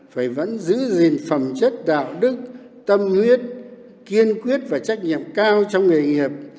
phải vẫn giữ gìn phẩm chất đạo đức tâm huyết kiên quyết và trách nhiệm cao trong nghề nghiệp